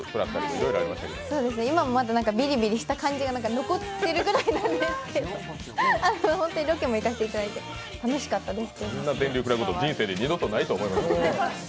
今もまだビリビリした漢字が残っているぐらいなんですけど、ロケも行かせていただいて楽しかったです。